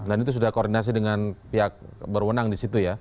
dan itu sudah koordinasi dengan pihak berwenang di situ ya